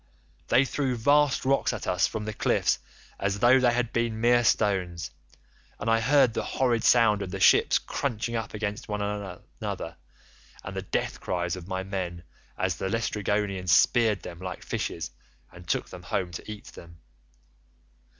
They threw vast rocks at us from the cliffs as though they had been mere stones, and I heard the horrid sound of the ships crunching up against one another, and the death cries of my men, as the Laestrygonians speared them like fishes and took them home to eat them.